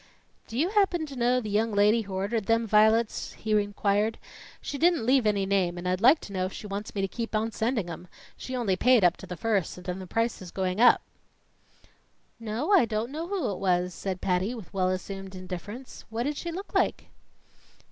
"Do you happen to know the young lady who ordered them vi'lets?" he inquired. "She didn't leave any name, and I'd like to know if she wants me to keep on sending 'em. She only paid up to the first, and the price is going up." "No, I don't know who it was," said Patty, with well assumed indifference. "What did she look like?"